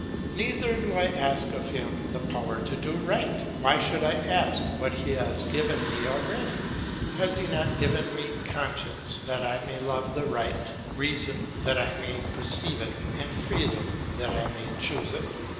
Neither do I ask of him the power to do right; why should I ask what he has given me already? Has he not given me conscience that I may love the right, reason that I may perceive it, and freedom that I may choose it?